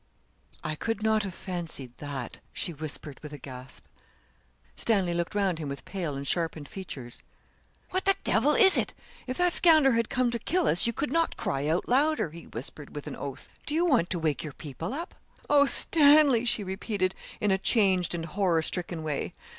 'I could not have fancied that,' she whispered with a gasp. Stanley looked round him with pale and sharpened features. 'What the devil is it! If that scoundrel had come to kill us you could not cry out louder,' he whispered, with an oath. 'Do you want to wake your people up?' 'Oh! Stanley,' she repeated, in a changed and horror stricken way.